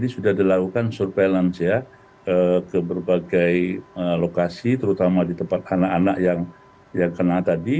sudah dilakukan surveillance ya ke berbagai lokasi terutama di tempat anak anak yang kena tadi